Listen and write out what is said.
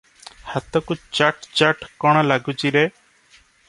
ହାତକୁ ଚଟ୍ ଚଟ୍ କଣ ଲାଗୁଛି ରେ?